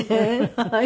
はい。